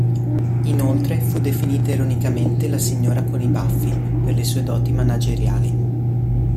Inoltre fu definita ironicamente "la signora con i baffi" per le sue doti manageriali.